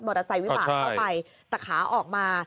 มอเตอร์ไซต์วิบากเข้าไปตะขาออกมา